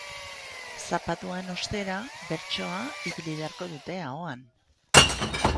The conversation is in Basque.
Zapatuan, ostera, bertsoa ibili beharko dute ahoan.